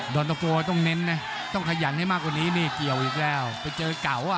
โกล่าต้องเน้นต้องขยันให้มากกว่านี้นี่เกี่ยวอีกแล้วไปเจอกาว